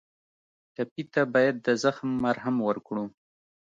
ټپي ته باید د زخم مرهم ورکړو.